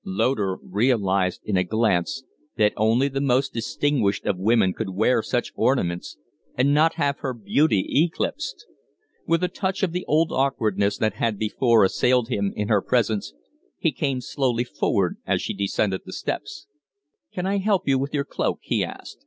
Loder realized in a glance that only the most distinguished of women could wear such ornaments and not have her beauty eclipsed. With a touch of the old awkwardness that had before assailed him in her presence, he came slowly forward as she descended the stairs. "Can I help you with your cloak?" he asked.